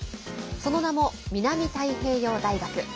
その名も南太平洋大学。